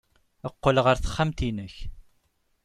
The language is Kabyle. Qqel ɣer texxamt-nnek.